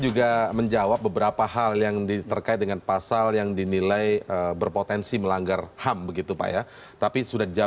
kalau pengawasan ini kan adalah dpr yang melakukan tugas pengawasan terhadap mitra mitranya